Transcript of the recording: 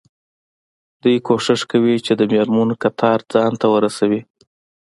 دوی کوښښ کوي چې د مېرمنو کتار ته ځان ورسوي.